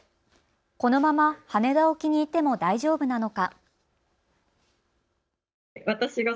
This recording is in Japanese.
このまま羽田沖にいても大丈夫なのか。